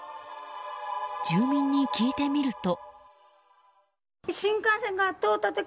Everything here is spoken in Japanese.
住民に聞いてみると。